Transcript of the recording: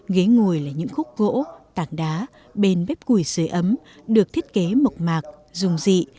ghế ngồi là những khúc gỗ tảng đá bền bếp cùi dưới ấm được thiết kế mộc mạc dùng dị